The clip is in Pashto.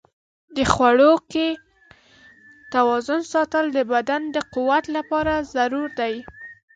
د خواړو کې توازن ساتل د بدن د قوت لپاره ضروري دي.